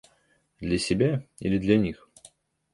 Для себя — или для них?